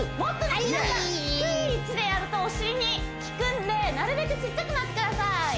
皆さん低い位置でやるとお尻に効くんでなるべくちっちゃくなってください